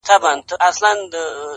پر بل اچوي او ځان سپينوي هڅه